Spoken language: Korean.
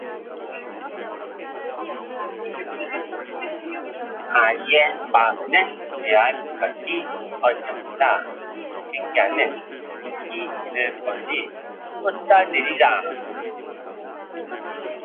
아이의 마음에는 미련한 것이 얽혔으나 징계하는 채찍이 이를 멀리 쫓아내리라